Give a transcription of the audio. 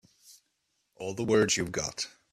All the words you've got.